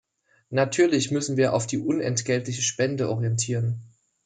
Natürlich müssen wir auf die unentgeltliche Spende orientieren.